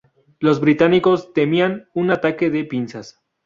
Los británicos temían un ataque de pinzas.